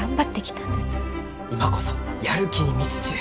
今こそやる気に満ちちゅう！